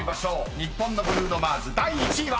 日本のブルーノ・マーズ第１位は］